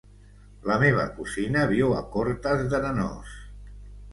La meva cosina viu a Cortes d'Arenós.